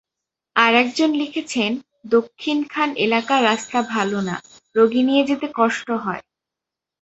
আরেকজন লিখেছেন, দক্ষিণখান এলাকার রাস্তা ভালো না, রোগী নিয়ে যেতে কষ্ট হয়।